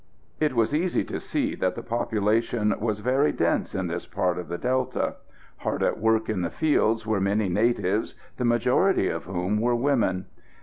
It was easy to see that the population was very dense in this part of the Delta. Hard at work in the fields were many natives, the majority of whom were women.